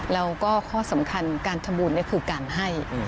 แล้วก็ข้อสำคัญการทำบุญคือการให้